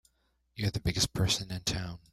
You're the biggest person in town!